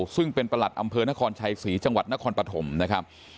ซึ่งเป็นประหลัดอำเภอนครชัยศรีจังหวัดนครปฐมนะครับ